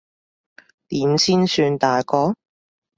點先算大個？